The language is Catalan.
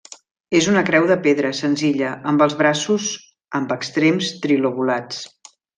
És una creu de pedra, senzilla, amb els braços amb extrems trilobulats.